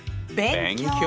勉強！